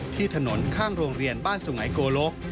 ที่ถนนข้างโรงเรียนบ้านสุไงโกลก